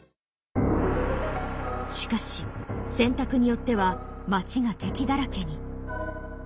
しかし選択によっては町が敵だらけに。